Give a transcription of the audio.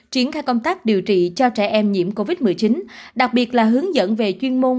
triển khai công tác điều trị cho trẻ em nhiễm covid một mươi chín đặc biệt là hướng dẫn về chuyên môn